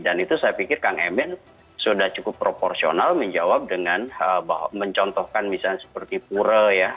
dan itu saya pikir kang emel sudah cukup proporsional menjawab dengan mencontohkan misalnya seperti pura ya di magelang kemudian masjid istiqlal